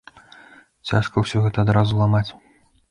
Цяжка ўсё гэта адразу ламаць.